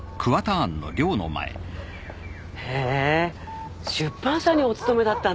へぇ出版社にお勤めだったんですか？